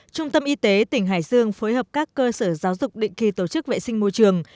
trung tâm y tế tỉnh hải dương phối hợp các cơ sở giáo dục định kỳ tổ chức vệ sinh môi trường